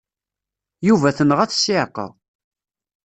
Yuba tenɣa-t ssiɛqa.